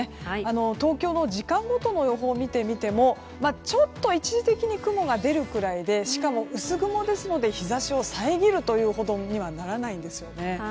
東京の時間ごとの予報を見てみてもちょっと、一時的に雲が出るくらいでしかも、薄曇ですので日差しを遮るほどにはならないんですね。